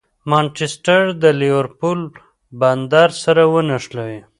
مانچسټر له لېورپول بندر سره ونښلوي.